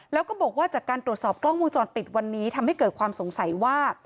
แล้วก็บอกว่าจากการตรวจสอบกล้องวงจรปิดวันนี้ทำให้เกิดความสงสัยว่า